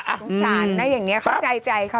โทษจรรย์นะอย่างนี้เข้าใจเขานั้น